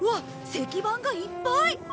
石板がいっぱい！